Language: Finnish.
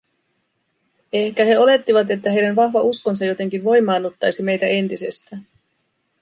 Ehkä he olettivat, että heidän vahva uskonsa jotenkin voimaannuttaisi meitä entisestään.